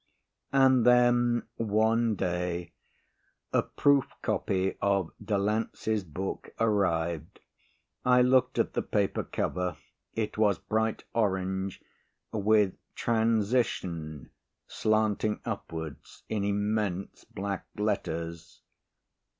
And then, one day, a proof copy of Delancey's book arrived. I looked at the paper cover. It was bright orange with "Transition" slanting upwards in immense black letters.